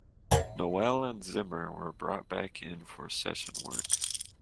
Noelle and Zimmer were brought back in for session work.